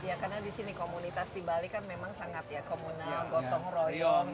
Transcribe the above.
ya karena di sini komunitas di bali kan memang sangat ya komunal gotong royong